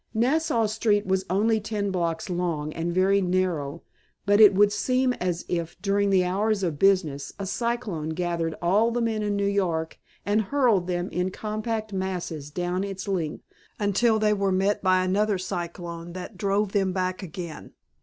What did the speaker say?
Nassau Street was only ten blocks long and very narrow, but it would seem as if, during the hours of business, a cyclone gathered all the men in New York and hurled them in compact masses down its length until they were met by another cyclone that drove them back again.